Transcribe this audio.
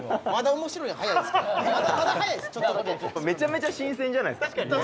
「めちゃめちゃ新鮮じゃないですか？」